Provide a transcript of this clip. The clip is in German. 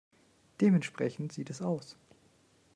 Dementsprechend sieht es aus.